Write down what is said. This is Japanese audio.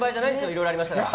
いろいろありましたから。